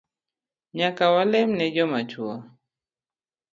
Nyaka walem ne jomatuo